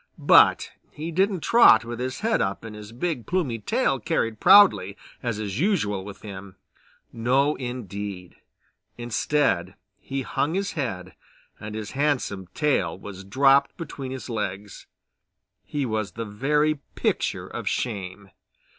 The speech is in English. But he didn't trot with his head up and his big plumey tail carried proudly as is usual with him. No indeed. Instead he hung his head, and his handsome tail was dropped between his legs; he was the very picture of shame.